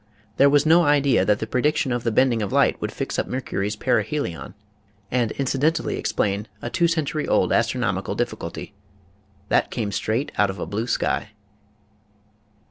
There was no idea that the prediction of the bending of light would fix up Mercury's perihelion and incidentally explain a two century old astronomical difficulty. That came straight out of a blue sky.